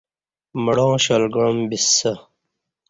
مڑاں شال گعام بِسہ